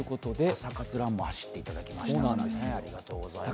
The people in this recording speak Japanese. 「朝活ＲＵＮ」も走っていただきましたね。